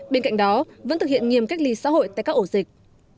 bên cạnh đó vẫn thực hiện nghiêm cách ly xã hội tại các ổ dịch